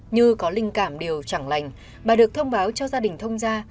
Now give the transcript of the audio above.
như có linh cảm điều chẳng lành bà được thông báo cho gia đình thông ra